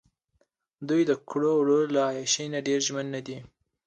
دوۍ دکړو وړو له عیاشۍ نه ډېر ژمن نه دي.